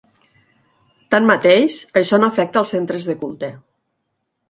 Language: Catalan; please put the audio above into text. Tanmateix, això no afecta als centres de culte.